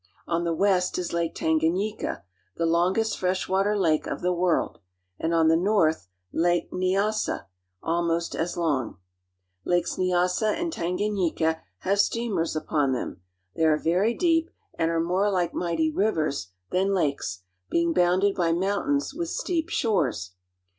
Four hundred and fifty miles farther south is Tanganyika, the longest fresh water lake of the world, and still farther south is Lake Nyassa(ne as'sa), almost as long. Lakes Nyassa and Tanganyika have steamers upon them. They are very deep and are more like mighty rivers than lakes, being bounded by mountains, with steep shores.